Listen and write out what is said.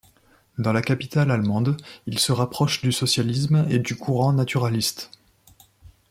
Dans la capitale allemande, il se rapproche du socialisme et du courant naturaliste.